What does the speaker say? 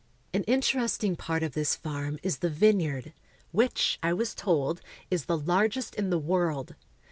An interesting part of this farm is the vineyard, which, I was told, is the largest in the world.